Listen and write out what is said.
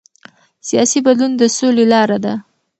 سیاسي بدلون د سولې لاره ده